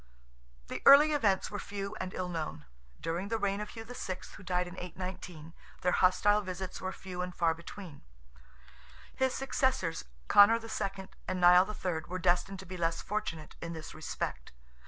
The early events are few and ill known. During the reign of Hugh VI., who died in 819, their hostile visits were few and far between; his successors, Conor II. and Nial III., were destined to be less fortunate in this respect.